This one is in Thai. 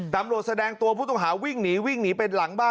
แสดงตัวผู้ต้องหาวิ่งหนีวิ่งหนีเป็นหลังบ้าน